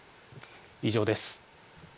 以上です。